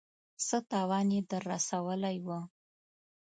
څه تاوان يې در رسولی و.